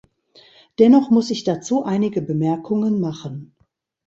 Dennoch muss ich dazu einige Bemerkungen machen.